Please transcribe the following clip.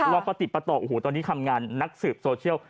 ก็พาติติประตอบตอนที่ทำงานนักสืบโซเชียล